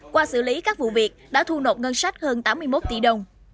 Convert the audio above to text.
qua xử lý các vụ việc đã thu nộp ngân sách hơn tám mươi một tỷ đồng